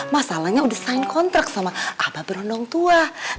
masalahnya udah sign kontrak sama abah berandang tua